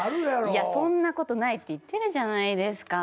いやそんな事ないって言ってるじゃないですか。